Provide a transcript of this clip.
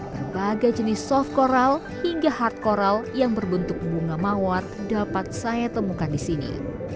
berbagai jenis soft coral hingga hard coral yang berbentuk bunga mawar dapat saya temukan di sini